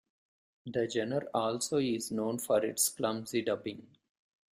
The genre also is known for its clumsy dubbing.